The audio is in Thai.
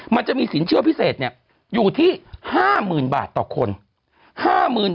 มันจะมีสินเชื่อพิเศษอยู่ที่๕๐๐๐บาทต่อคน